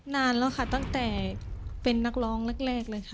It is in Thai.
นานแล้วค่ะตั้งแต่เป็นนักร้องแรกเลยค่ะ